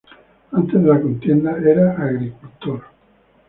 Antes de la contienda era agricultor.